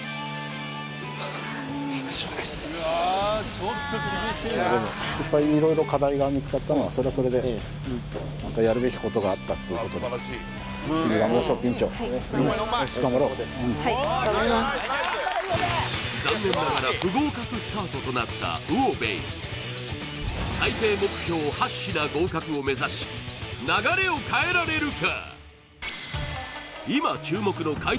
ちょっとこれからまた皆様にいっぱい色々課題が見つかったのはそれはそれでまたやるべきことがあったっていうことだから残念ながら不合格スタートとなった魚べい最低目標８品合格を目指し流れを変えられるか？